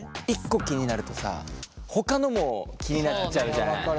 １個気になるとさほかのも気になっちゃうじゃない。